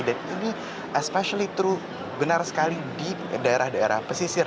kalau dibandingkan dengan laki laki dan ini especially benar sekali di daerah daerah pesisir